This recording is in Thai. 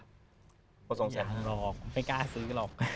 อย่าหรอกไม่กล้าซื้อหรอก